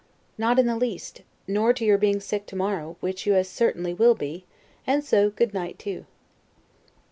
Not in the least; nor to your being sick tomorrow, which you as certainly will be; and so good night, too.